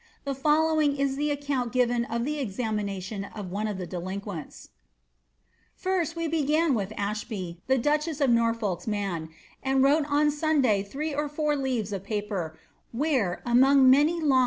Tlie fol lowing is the account given of the examination of one of the delin quents :—■^ First we began with Ashby, the duchess of Norfolk's man, and wrote on Sunday three or four leaves of paper, where, among many long 'State Papers, vol.